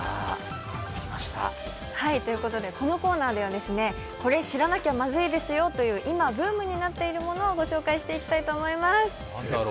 このコーナーではこれ知らなきゃまずいですよという今、ブームになっているものを御紹介していきたいと思います。